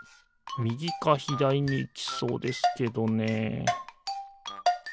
みぎかひだりにいきそうですけどね